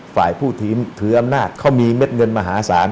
ฝ่ายผู้ทีมถืออำนาจเขามีเม็ดเงินมหาศาล